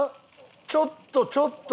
ちょっとちょっと！